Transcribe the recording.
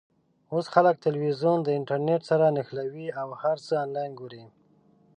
اوس خلک ټلویزیون د انټرنېټ سره نښلوي او هر څه آنلاین ګوري.